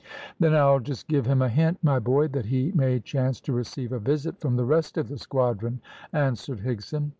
"Then I'll just give him a hint, my boy, that he may chance to receive a visit from the rest of the squadron," answered Higson.